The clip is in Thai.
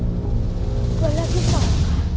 ตัวเลือกที่สองค่ะ